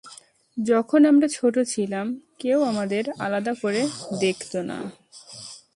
যখন আমরা ছোট ছিলাম, কেউ আমাদের আলাদা করে দেখতনা।